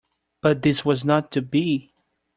But this was not to be.